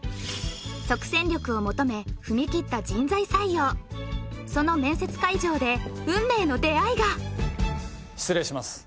即戦力を求め踏み切った人材採用その面接会場で運命の出会いが失礼します